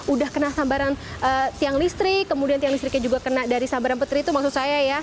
udah kena sambaran tiang listrik kemudian tiang listriknya juga kena dari sambaran petir itu maksud saya ya